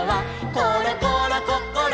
「ころころこころ